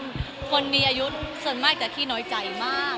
คนมีอายุส่วนมากจะขี้น้อยใจมาก